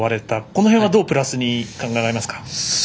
この辺はどうプラスに考えられますか？